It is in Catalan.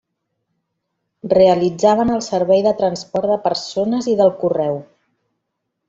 Realitzaven el servei de transport de persones i del correu.